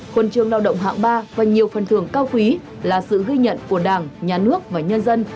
huần trường lao động hạng ba và nhiều phần thường cao quý là sự ghi nhận của đảng nhà nước và nhân dân